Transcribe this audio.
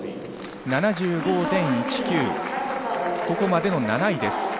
７５．１９、ここまでの７位です。